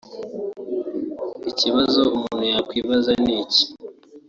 Ikibazo umuntu yakwibaza ni iki